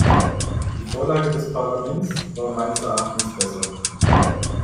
Die Vorlage des Parlaments war meines Erachtens besser.